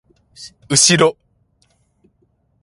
うしろ